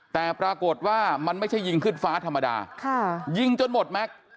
แต่ปรากฏว่ามันไม่ใช่ยิงขึ้นฟ้าธรรมดายิงจนหมดแม็กซ์